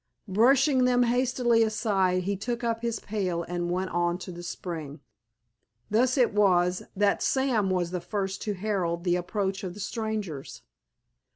Brushing them hastily aside he took up his pail and went on to the spring. Thus it was that Sam was the first to herald the approach of the strangers.